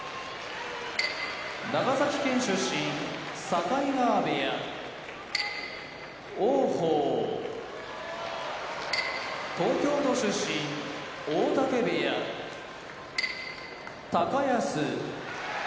長崎県出身境川部屋王鵬東京都出身大嶽部屋高安